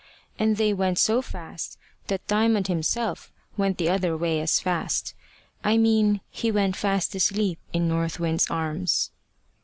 And they went so fast that Diamond himself went the other way as fast I mean he went fast asleep in North Wind's arms.